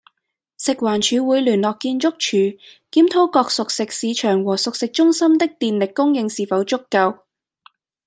食環署會聯絡建築署，檢討各熟食市場和熟食中心的電力供應是否足夠